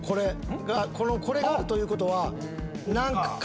これがあるということは。